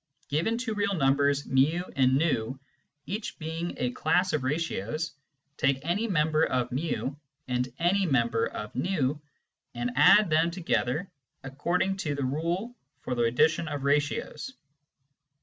Given two real numbers /u. and v, each being a class of ratios, take any member of /1 and any member of v and add them together according to the rule for the addition of ratios.